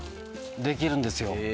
できるんですよ。